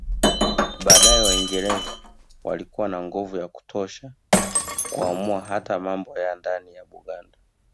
Baadae Waingereza walikuwa na nguvu ya kutosha kuamua hata mambo ya ndani ya Buganda